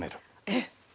えっ？